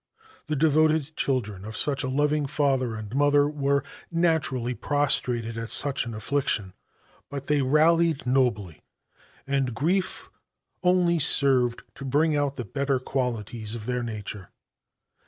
The devoted children of such a loving father and mother were naturally prostrated at such an affliction. But they rallied nobly, and grief only served to bring out the better qualities of their nature.